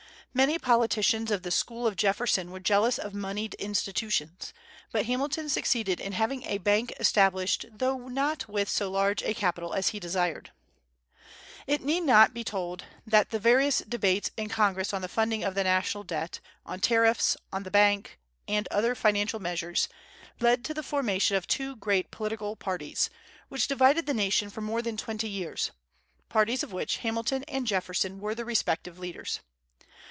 Many politicians of the school of Jefferson were jealous of moneyed institutions, but Hamilton succeeded in having a hank established though not with so large a capital as he desired. It need not he told that the various debates in Congress on the funding of the national debt, on tariffs, on the bank, and other financial measures, led to the formation of two great political parties, which divided the nation for more than twenty years, parties of which Hamilton and Jefferson were the respective leaders.